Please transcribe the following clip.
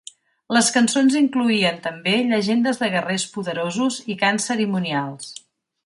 Les cançons incloïen també llegendes de guerrers poderosos i cants cerimonials.